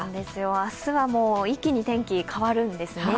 明日はもう一気に天気、変わるんですね。